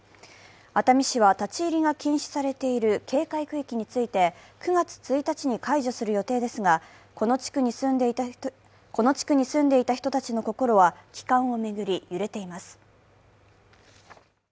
熱海市は立ち入りが禁止されている警戒区域について９月１日に解除する予定ですがこの地区に住んでいた人たちの心は帰還を巡り、揺れています。